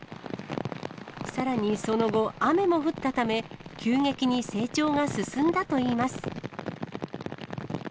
さらに、その後、雨も降ったため、急激に成長が進んだといいます。